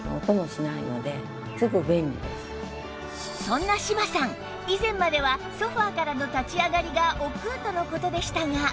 そんな島さん以前まではソファからの立ち上がりが億劫との事でしたが